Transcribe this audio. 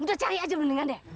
udah cari aja lu dengan deh